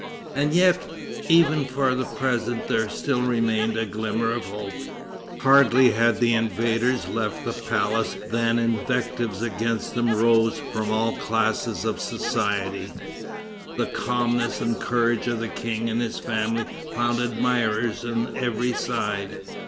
And yet, even for the present there still remained a glimmer of hope. Hardly had the invaders left the palace than invectives against them rose from all classes of society. The calmness and courage of the King and his family found admirers on every side.